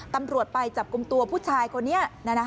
ตำรวจไปจับกลุ่มตัวผู้ชายคนนี้